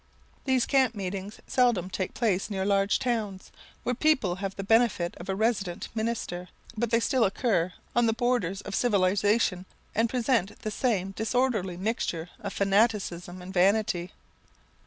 '" These camp meetings seldom take place near large towns, where the people have the benefit of a resident minister, but they still occur on the borders of civilization, and present the same disorderly mixture of fanaticism and vanity.